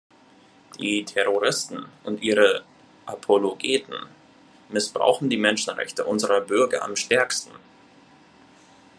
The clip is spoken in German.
Die Terroristen und ihre Apologeten missbrauchen die Menschenrechte unserer Bürger am stärksten.